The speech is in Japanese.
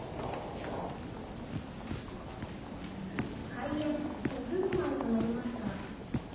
「開演５分前となりました」。